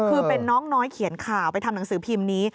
คือเป็นน้องน้อยเขียนข่าวไปทำหนังสือพิมพ์นี้